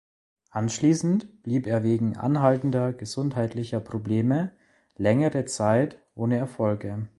Anschließend blieb er wegen anhaltender gesundheitlicher Probleme längere Zeit ohne Erfolge.